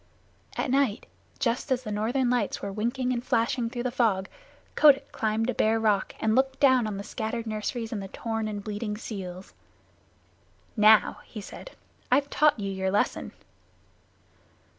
At night, just as the Northern Lights were winking and flashing through the fog, Kotick climbed a bare rock and looked down on the scattered nurseries and the torn and bleeding seals. "Now," he said, "I've taught you your lesson."